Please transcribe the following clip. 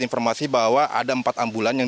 informasi bahwa ada empat ambulan yang